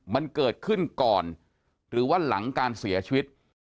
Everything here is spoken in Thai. มันเกิดขึ้นก่อนหรือว่าหลังการเสียชีวิต